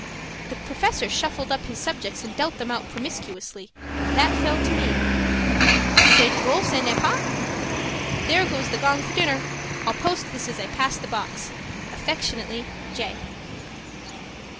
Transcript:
The Professor shuffled up his subjects and dealt them out promiscuously, and that fell to me. C'est drole ca n'est pas? There goes the gong for dinner. I'll post this as I pass the box. Affectionately, J.